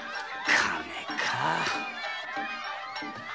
金か。